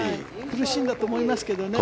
苦しんだと思いますけどね。